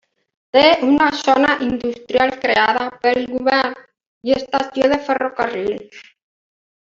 Té una zona industrial creada pel govern i estació de ferrocarril.